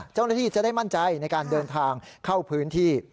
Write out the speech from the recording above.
เจ้าหน้าที่จะได้มั่นใจในการเดินทางเข้าพื้นที่